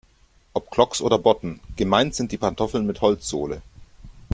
Ob Clogs oder Botten, gemeint sind die Pantoffeln mit Holzsohle.